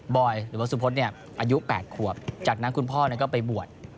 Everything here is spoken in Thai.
บอยหรือว่าสมมติเนี่ยอายุแปดขวบจากนั้นคุณพ่อเนี่ยก็ไปบวช